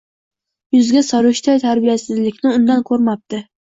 yuzga solishday tarbiyasizlikni unda ko'rmadi.